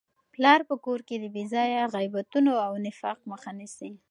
پلار په کور کي د بې ځایه غیبتونو او نفاق مخه نیسي.